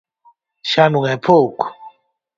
Xa non é pouco.